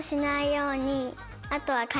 あとは。